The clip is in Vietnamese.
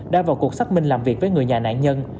đã vào cuộc xác minh làm việc với người nhà nạn nhân